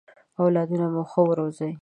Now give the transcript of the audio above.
اولادونه مو ښه ورزوی!